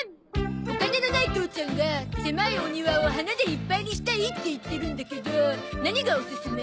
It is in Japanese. お金のない父ちゃんが狭いお庭を花でいっぱいにしたいって言ってるんだけど何がおすすめ？